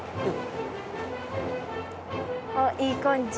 あっいい感じ。